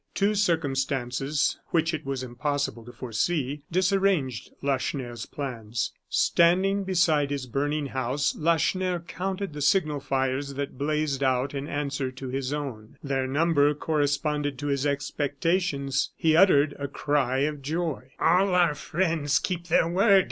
Two circumstances, which it was impossible to foresee, disarranged Lacheneur's plans. Standing beside his burning house, Lacheneur counted the signal fires that blazed out in answer to his own. Their number corresponded to his expectations; he uttered a cry of joy. "All our friends keep their word!"